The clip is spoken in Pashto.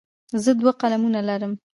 زه دوه قلمونه لرم.